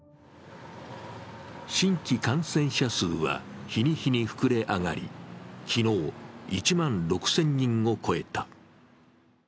新規感染者数は日に日に膨れ上がり、昨日、１万６０００人を超えた。